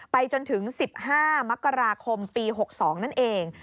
จนถึง๑๕มกราคมปี๖๒นั่นเอง